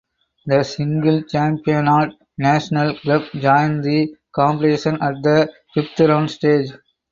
The single Championnat National club joined the competition at the fifth round stage.